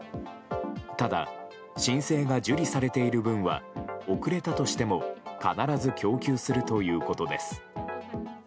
ただ、申請が受理されている分は遅れたとしても必ず供給するということです。